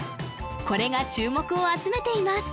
これが注目を集めています